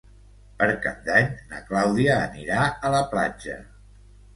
Per Cap d'Any na Clàudia anirà a la platja.